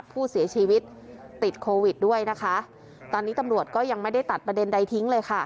ผู้เสียชีวิตติดโควิดด้วยนะคะตอนนี้ตำรวจก็ยังไม่ได้ตัดประเด็นใดทิ้งเลยค่ะ